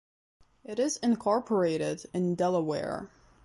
It is incorporated in Delaware.